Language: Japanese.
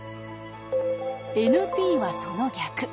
ＮＰはその逆。